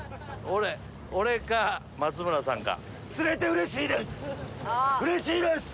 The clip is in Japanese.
俺か松村さんか。